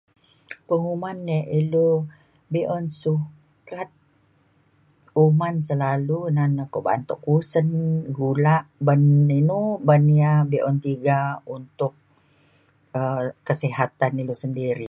Penguman e ilu be’un sukat uman selalu na na tuk ba’an tuk usen gulak ban inu ban ia’ be’un tiga untuk um kesihatan ilu sendiri.